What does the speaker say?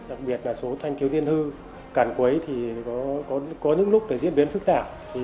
đặc biệt là số thanh thiếu niên hư cản quấy có những lúc diễn biến phức tạp